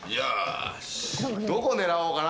どこ狙おうかな？